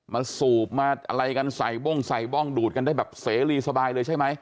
สูบมาอะไรกันใส่บ้งใส่บ้องดูดกันได้แบบเสรีสบายเลยใช่ไหม